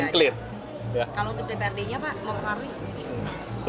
kalau untuk dprd nya pak mau pengaruhi